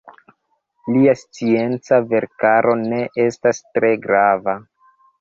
Lia scienca verkaro ne estas tre grava.